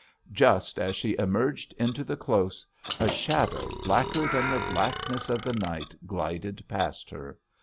Just as she emerged into the close, a shadow blacker than the blackness of the night glided past her.